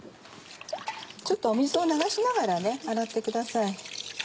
ちょっと水を流しながら洗ってください。